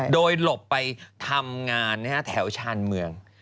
โดยหลบไปทำงานแถวชาญเมือง